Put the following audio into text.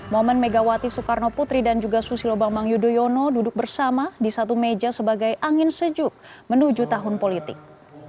momen megawati soekarno putri dan juga susilo bambang yudhoyono duduk bersama di satu meja sebagai angin sejuk menuju tahun politik